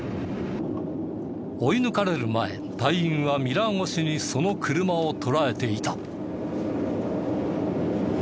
追い抜かれる前隊員はミラー越しにその車を捉えていた。